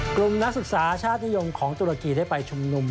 นักศึกษาชาตินิยมของตุรกีได้ไปชุมนุม